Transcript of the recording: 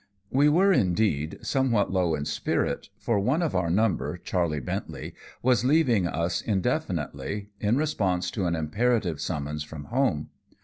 We were, indeed, somewhat low in spirit, for one of our number, Charley Bentley, was leaving us indefinitely, in response to an imperative summons from home.